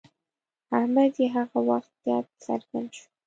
اهمیت یې هغه وخت زیات څرګند شو.